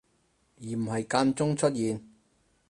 而唔係間中出現